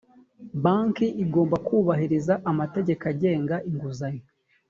banki igomba kubahiriza amategeko agenga inguzanyo